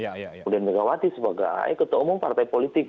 kemudian penggawati sebagai kota umum partai politik